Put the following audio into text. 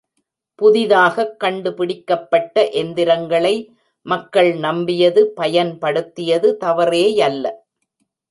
புதிதாகக் கண்டு பிடிக்கப்பட்ட எந்திரங்களை மக்கள் நம்பியது, பயன் படுத்தியது தவறேயல்ல.